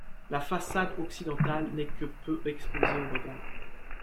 La façade occidentale n'est que peu exposée aux regards.